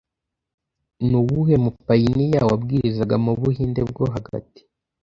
Ni uwuhe mupayiniya wabwirizaga mu Buhinde bwo hagati